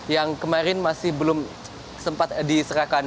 yang kemarin masih belum sempat diserahkan